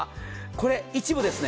これ、一部ですね。